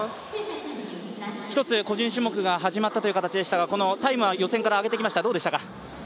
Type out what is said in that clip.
一つ、個人種目が始まったという形ですがタイムは予選から上げてきました、どうでしたか？